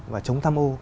và chống tham ô